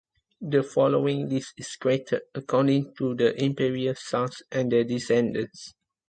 The following list is created according to the imperial sons and their descendants.